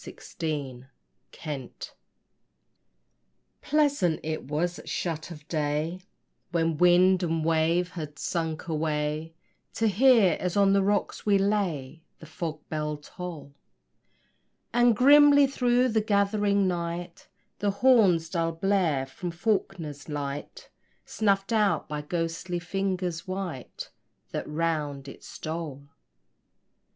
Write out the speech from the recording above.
HIGH ISLAND Pleasant it was at shut of day, When wind and wave had sunk away, To hear, as on the rocks we lay, The fog bell toll; And grimly through the gathering night The horn's dull blare from Faulkner's Light, Snuffed out by ghostly fingers white That round it stole.